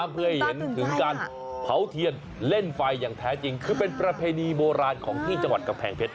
เป็นการเผาเทียนเล่นไฟของจริงเสียงจริง